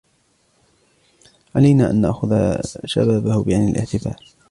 علينا أن نأخذ شبابه بعين الاعتبار.